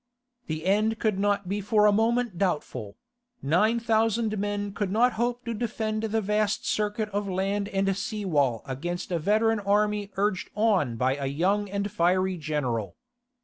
The end could not be for a moment doubtful; nine thousand men could not hope to defend the vast circuit of the land and sea wall against a veteran army urged on by a young and fiery general.